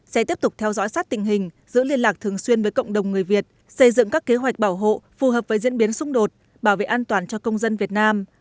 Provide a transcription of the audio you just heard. sẽ tiếp tục theo dõi sát tình hình giữ liên lạc thường xuyên với cộng đồng người việt xây dựng các kế hoạch bảo hộ phù hợp với diễn biến xung đột bảo vệ an toàn cho công dân việt nam